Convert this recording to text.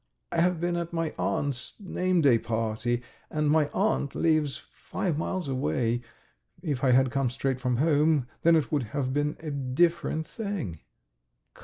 "I have been at my aunt's name day party, and my aunt lives five miles away. ... If I had come straight from home, then it would have been a different thing."